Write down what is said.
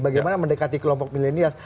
bagaimana mendekati kelompok millenials